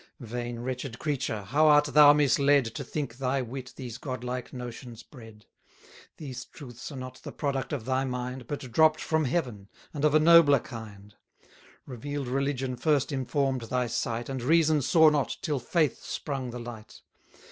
Vain, wretched creature, how art thou misled, To think thy wit these God like notions bred! These truths are not the product of thy mind, But dropp'd from heaven, and of a nobler kind. Reveal'd religion first inform'd thy sight, And reason saw not, till faith sprung the light.